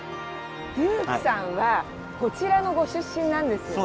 デュークさんはこちらのご出身なんですよね？